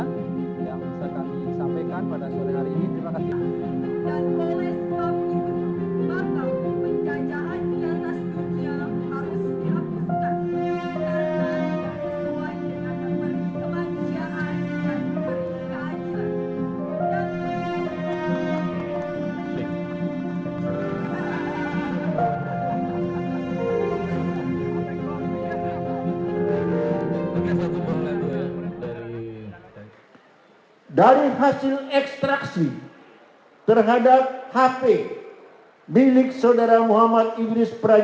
dan kemudian keundangannya lepas juga terima pengaduan dan pasti kita juga secara profesional dan independen